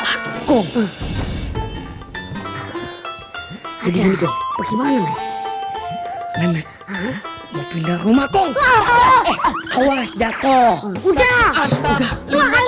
hai kumpul jadi hidup gimana menet mau pindah rumah kumpul awas jatuh udah udah